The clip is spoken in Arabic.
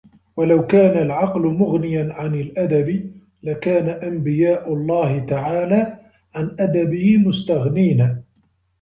وَلَوْ كَانَ الْعَقْلُ مُغْنِيًا عَنْ الْأَدَبِ لَكَانَ أَنْبِيَاءُ اللَّهِ تَعَالَى عَنْ أَدَبِهِ مُسْتَغْنِينَ